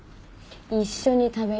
一緒に食べよ。